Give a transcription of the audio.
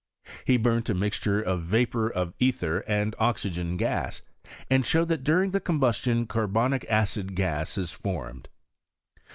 He burnt a mixture of vapour of ether and oxj^eu gas, and showed that during the combustion car bonic acid gas is formed.